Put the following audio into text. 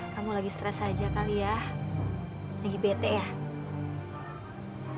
kamu lagi stress aja kali ya lagi bete ya